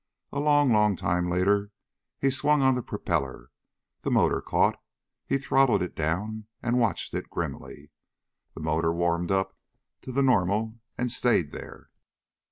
A long, long time later he swung on the propeller. The motor caught. He throttled it down and watched it grimly. The motor warmed up to normal, and stayed there.